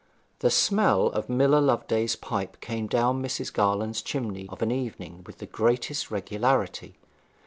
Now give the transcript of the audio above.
The smell of Miller Loveday's pipe came down Mrs. Garland's chimney of an evening with the greatest regularity.